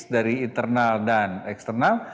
dari internal dan eksternal